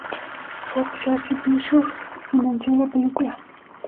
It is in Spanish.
Fox Searchlight Pictures financió la película.